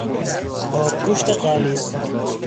آبگوشت غلیظ